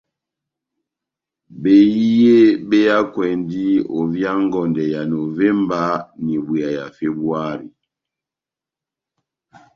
Behiye be hakwɛndi ovia ngondɛ ya Novemba n'ibwea ya Febuari.